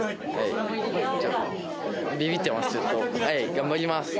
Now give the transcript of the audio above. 頑張ります！